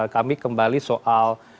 kami kembali soal